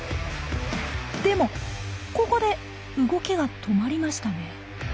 でもここで動きが止まりましたね。